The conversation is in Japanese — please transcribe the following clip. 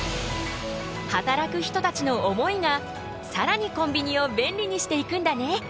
働く人たちの思いがさらにコンビニを便利にしていくんだね。